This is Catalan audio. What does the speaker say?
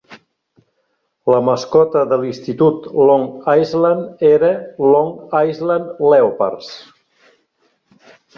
La mascota de l'institut Long Island era Long Island Leopards.